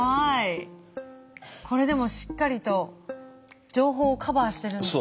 これでもしっかりと情報をカバーしてるんですね。